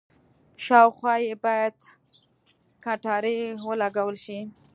شاوخوا یې باید کټارې ولګول شي.